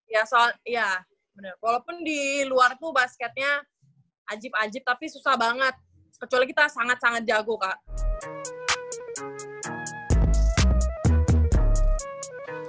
ya soal ya bener walaupun di luar tuh basketnya ajib ajib tapi susah banget kecuali kita sangat sangat jago kak